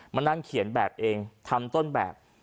มานั่งเขียนแบบเองทำต้นแบบ